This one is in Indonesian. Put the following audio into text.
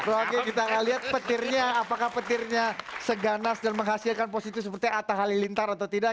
oke kita akan lihat petirnya apakah petirnya seganas dan menghasilkan positif seperti atta halilintar atau tidak